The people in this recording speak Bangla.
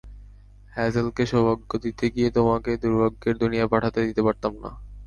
হ্যাজেলকে সৌভাগ্য দিতে গিয়ে তোমাকে দুর্ভাগ্যের দুনিয়ায় পাঠাতে দিতে পারতাম না।